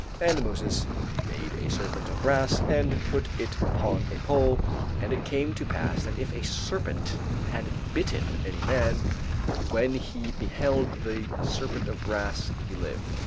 And Moses made a serpent of brass and put it upon a pole and it came to pass that if a serpent had bitten any man, when he beheld the serpent of brass, he lived."